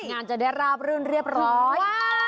ชาวบ้านจะได้รับรื่นเรียบร้อย